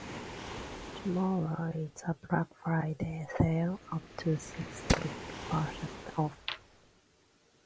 tomorrow, it's a Black Friday sale, up to sixty percent off.